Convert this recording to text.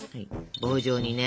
棒状にね。